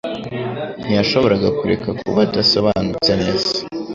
Ntiyashoboraga kureka kuba adasobanutse neza.